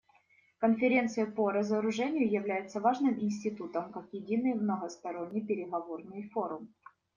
Конференция по разоружению является важным институтом как единый многосторонний переговорный форум.